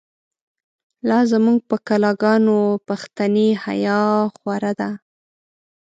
لازموږ په کلاګانو، پښتنی حیا خو ره ده